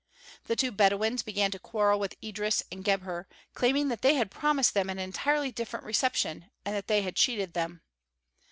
The two Bedouins began to quarrel with Idris and Gebhr, claiming that they had promised them an entirely different reception and that they had cheated them.